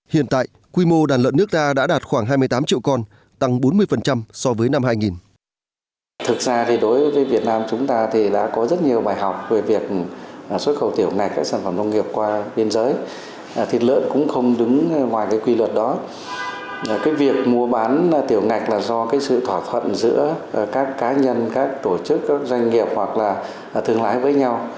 hiện tại quy mô đàn lợn nước ta đã đạt khoảng hai mươi tám triệu con tăng bốn mươi so với năm hai nghìn